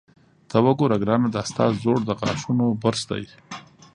ته وګوره ګرانه، دا ستا زوړ د غاښونو برس دی.